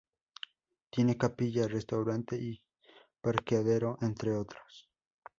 Tiene capilla, restaurante y parqueadero, entre otros.